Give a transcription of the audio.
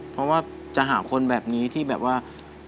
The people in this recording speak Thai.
เพราะว่าจะหาคนแบบนี้ที่แบบว่า